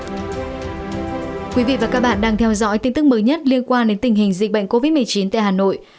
thưa quý vị và các bạn đang theo dõi tin tức mới nhất liên quan đến tình hình dịch bệnh covid một mươi chín tại hà nội